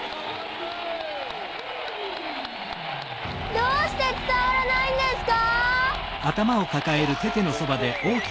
どうしてつたわらないんですか！？